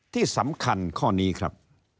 ที่สำคัญข้อนี้ครับ